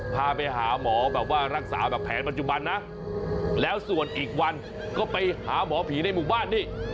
พาไปหาหมอแบบว่ารักษาแบบแผนปัจจุบันนะแล้วส่วนอีกวันก็ไปหาหมอผีในหมู่บ้านนี่